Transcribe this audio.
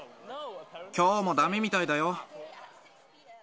きょうもだめみたいだよ。